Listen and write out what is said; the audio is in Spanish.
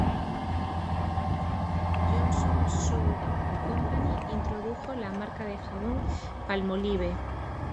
Johnson Soap Company, introdujo la marca de jabón "Palmolive".